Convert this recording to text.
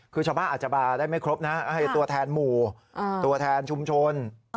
คือชาวบ้านอาจจะมาได้ไม่ครบนะให้ตัวแทนหมู่ตัวแทนชุมชน